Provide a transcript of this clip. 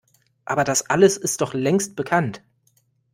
Aber das alles ist doch längst bekannt!